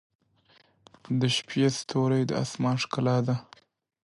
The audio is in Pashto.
• د شپې ستوري د آسمان ښکلا ده.